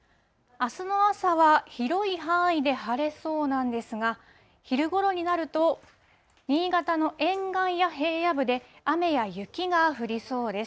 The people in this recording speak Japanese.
あすの朝は広い範囲で晴れそうなんですが、昼ごろになると、新潟の沿岸や平野部で雨や雪が降りそうです。